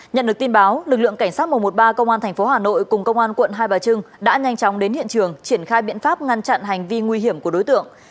nhận được tin báo lực lượng cảnh sát một trăm một mươi ba công an tp hà nội cùng công an quận hai bà trưng đã nhanh chóng đến hiện trường triển khai biện pháp ngăn chặn hành vi nguy hiểm của đối tượng